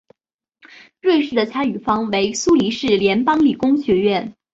瑞士的参与方为苏黎世联邦理工学院。